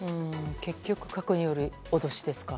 結局、核による脅しですか。